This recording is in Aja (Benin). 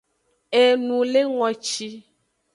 Enulengoci.